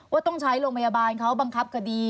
ว่าต้องใช้โรงพยาบาลเขาบังคับคดี